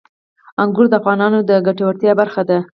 انګور د افغانانو د ګټورتیا برخه ده.